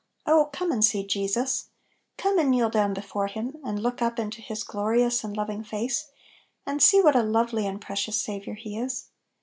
Oh "Come and see" Jesus I Come and kneel down before Him, and look up into His glorious and loving face, and see what a lovely and precious Saviour He is!